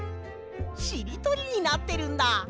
しりとりになってるんだ！